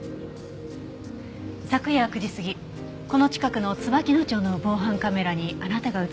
昨夜９時過ぎこの近くの椿野町の防犯カメラにあなたが映っていました。